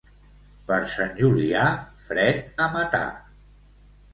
Per Sant Julià, fred a matar.